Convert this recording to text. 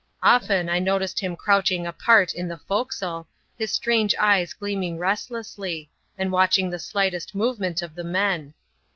Often I noticed him crouching apart in the forecastle, his strangQ eyes gleaming restlessly, and watching the slightest movement (^ the men.